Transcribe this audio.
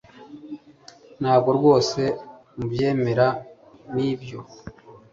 Ntabwo rwose mubyemera nibyo